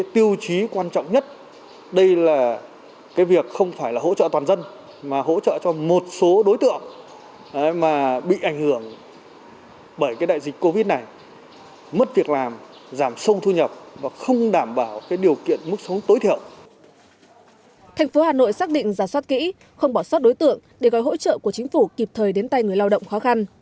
thành phố hà nội xác định giả soát kỹ không bỏ soát đối tượng để gọi hỗ trợ của chính phủ kịp thời đến tay người lao động khó khăn